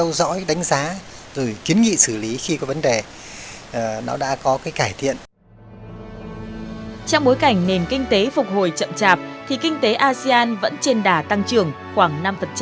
trong bối cảnh nền kinh tế phục hồi chậm chạp thì kinh tế asean vẫn trên đà tăng trưởng khoảng năm